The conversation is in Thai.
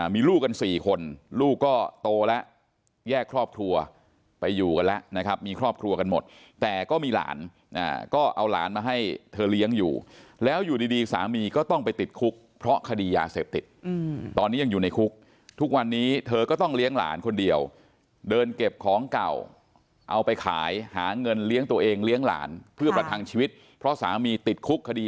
มีลูกกัน๔คนลูกก็โตแล้วแยกครอบครัวไปอยู่กันแล้วนะครับมีครอบครัวกันหมดแต่ก็มีหลานก็เอาหลานมาให้เธอเลี้ยงอยู่แล้วอยู่ดีสามีก็ต้องไปติดคุกเพราะคดียาเสพติดตอนนี้ยังอยู่ในคุกทุกวันนี้เธอก็ต้องเลี้ยงหลานคนเดียวเดินเก็บของเก่าเอาไปขายหาเงินเลี้ยงตัวเองเลี้ยงหลานเพื่อประทังชีวิตเพราะสามีติดคุกคดี